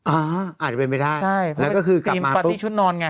อ่าอาจจะเป็นไปได้แล้วก็คือกลับมาปุ๊บใช่เพราะว่าเตรียมปาร์ตี้ชุดนอนไง